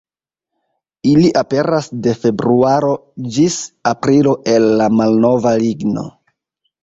Ili aperas de februaro ĝis aprilo el la malnova ligno.